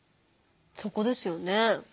そこですよね。